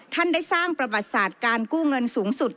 ท่านได้สร้างประวัติศาสตร์การกู้เงินสูงสุด